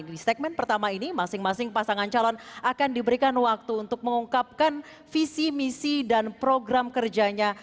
di segmen pertama ini masing masing pasangan calon akan diberikan waktu untuk mengungkapkan visi misi dan program kerjanya